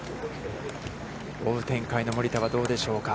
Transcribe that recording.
追う展開の森田はどうでしょうか。